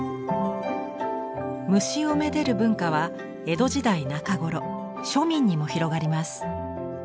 虫をめでる文化は江戸時代中頃庶民にも広がります。